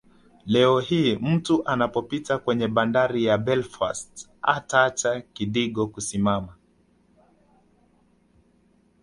Leo hii mtu anapopita kwenye bandari ya Belfast hataacha kidigo kusimama